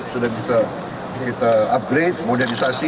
sudah kita upgrade modernisasi